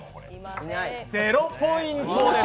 ゼロポイントです。